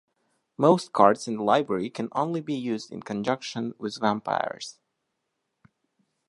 Most cards in the library can only be used in conjunction with vampires.